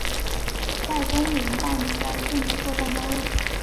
为中联办底下的政治作战单位。